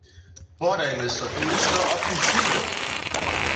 Podajmy so tuž do ofensiwy!